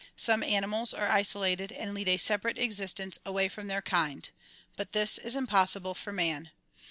Some animals are isolated and lead a separate exist ence away from their kind. But this is impossible for man.